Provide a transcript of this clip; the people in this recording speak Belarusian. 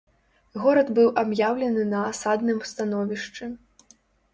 Горад быў аб'яўлены на асадным становішчы.